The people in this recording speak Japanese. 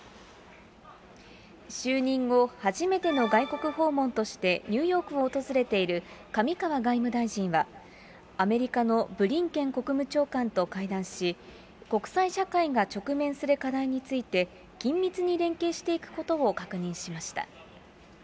就任後初めての外国訪問としてニューヨークを訪れている上川外務大臣は、アメリカのブリンケン国務長官と会談し、国際社会が直面する課題について、緊密に連携していくことを確認しました。